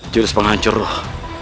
jurus penghancur roh